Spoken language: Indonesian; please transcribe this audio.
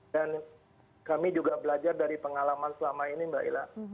dan kami juga belajar dari pengalaman selama ini mbak hilah